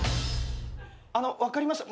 あの分かりました。